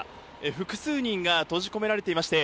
複数人が閉じ込められていまして